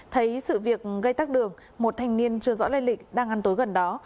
thấy sự việc gây tắc đường một thanh niên chưa rõ lây lịch đang ăn tối gần đó